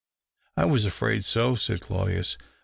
" I was afraid so," said Claudius.